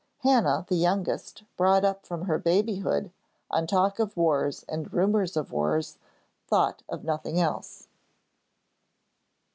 Hannah, the youngest, brought up from her babyhood on talk of wars and rumours of wars, thought of nothing else.